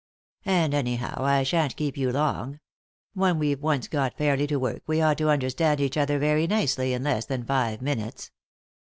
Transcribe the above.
And, anyhow, I shan't keep you long; when we've once got fairly to work we ought to understand each other very nicely in less than five minutes.